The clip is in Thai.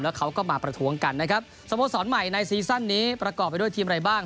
เขาก็มาประท้วงกันนะครับสโมสรใหม่ในซีซั่นนี้ประกอบไปด้วยทีมอะไรบ้าง